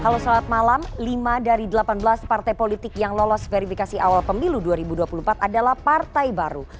halo selamat malam lima dari delapan belas partai politik yang lolos verifikasi awal pemilu dua ribu dua puluh empat adalah partai baru